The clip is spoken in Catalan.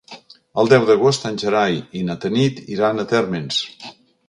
El deu d'agost en Gerai i na Tanit iran a Térmens.